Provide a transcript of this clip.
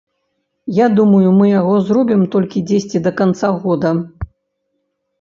Я думаю, мы яго зробім толькі дзесьці да канца года.